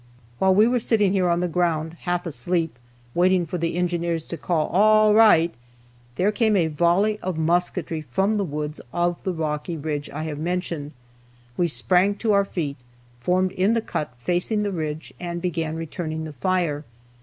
While we were sitting here on the ground, half asleep, waiting for the engineers to call out "All right!" there came a volley of musketry from the woods of the rocky ridge I have mentioned. We sprang to our feet, formed in the cut facing the ridge, and began returning the fire.